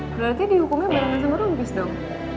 berarti dihukumnya barengan sama robis dong